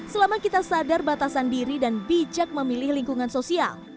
selama kita sadar batasan diri dan bijak memilih lingkungan sosial